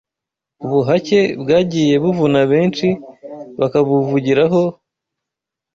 ubuhake Bwagiye buvuna benshi bakabuvugiraho